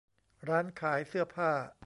ร้านขายเสื้อผ้า